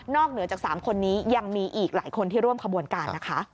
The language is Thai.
เหนือจาก๓คนนี้ยังมีอีกหลายคนที่ร่วมขบวนการนะคะ